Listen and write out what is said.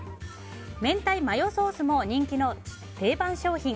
めんたいマヨソースも人気の定番商品。